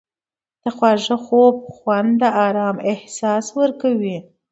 د خواږه خوب خوند د آرام احساس ورکوي.